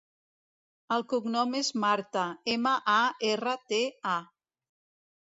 El cognom és Marta: ema, a, erra, te, a.